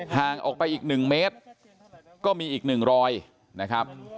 ทางออกไปอีกหนึ่งเมตรก็มีอีกหนึ่งรอยนะครับ